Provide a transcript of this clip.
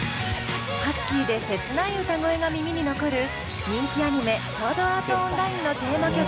ハスキーで切ない歌声が耳に残る人気アニメ「ソードアート・オンライン」のテーマ曲「ＡＮＩＭＡ」。